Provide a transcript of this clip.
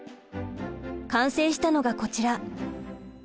完成したのがこちら。